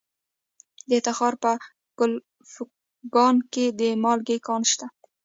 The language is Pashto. د تخار په کلفګان کې د مالګې کان شته.